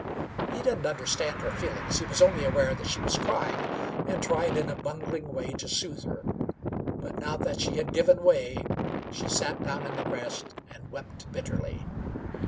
He didn't understand her feelings. He was only aware that she was crying, and tried in a bungling way to soothe her. But now that she had given way, she sat down in the grass and wept bitterly.